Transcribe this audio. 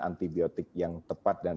antibiotik yang tepat dan